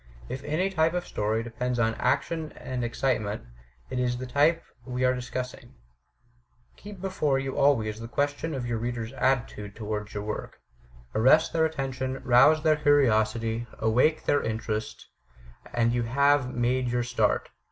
If any t)^e of story depends on action and excitement, it is the type we are dis cussing. Keep before you always the question of your reader's attitude towards your work. Arrest their attention, rouse their curiosity, awake their interest, and you have made your start.